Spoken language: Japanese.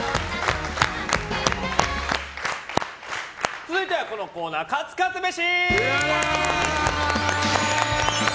続いては、このコーナーカツカツ飯！